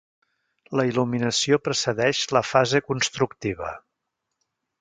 La il·luminació precedeix la fase constructiva.